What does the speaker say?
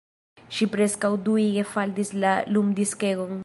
Ŝi preskaŭ duige faldis la lumdiskegon!